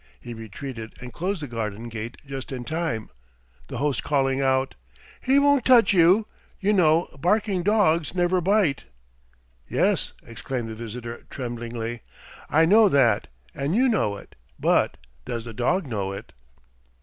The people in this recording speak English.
He retreated and closed the garden gate just in time, the host calling out: "He won't touch you, you know barking dogs never bite." "Yes," exclaimed the visitor, tremblingly, "I know that and you know it, but does the dog know it?"